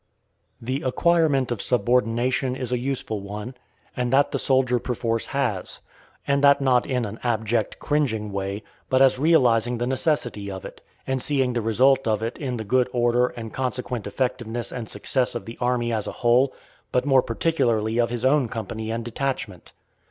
The acquirement of subordination is a useful one, and that the soldier perforce has; and that not in an abject, cringing way, but as realizing the necessity of it, and seeing the result of it in the good order and consequent effectiveness and success of the army as a whole, but more particularly of his own company and detachment.